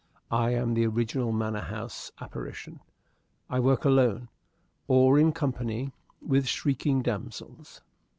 I am the original manor house apparition. I work alone, or in company with shrieking damsels."